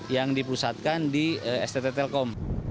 yang dipusatkan di stt telkom